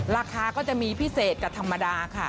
ราคาก็จะมีพิเศษกับธรรมดาค่ะ